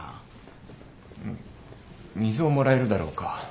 ん水をもらえるだろうか１杯。